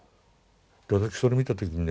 私それ見た時にね